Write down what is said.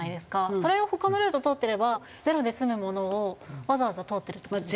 それを他のルート通ってればゼロで済むものをわざわざ通ってるって事。